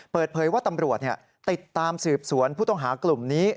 เปิดเผยว่าตำรวจติดตามสืบสวนผู้ต้องหากลุ่มนี้